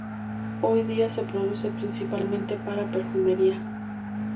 Hoy día se produce principalmente para perfumería.